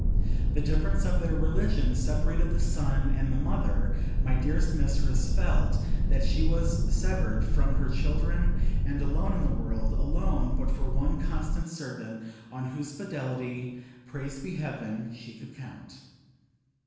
The difference of their religion separated the son and the mother: my dearest mistress felt that she was severed from her children and alone in the world alone but for one constant servant on whose fidelity, praised be Heaven, she could count.